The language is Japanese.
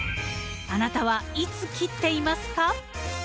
あなたはいつ切っていますか？